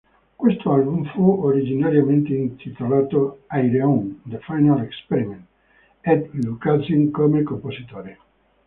Questo album fu originariamente intitolato "Ayreon: The Final Experiment" ed Lucassen come compositore.